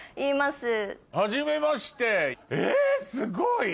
えすごい！